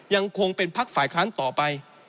ยังคงเป็นพักฝ่ายค้านต่อไป